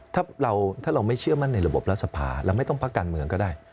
ถ้าเราไม่เชื่อมั่นในระบบรัฐสภาเราไม่ต้องพักการเมืองก็ได้